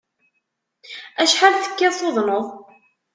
Acḥal tekkiḍ tuḍneḍ?